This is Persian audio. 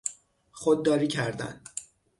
خودداری کردن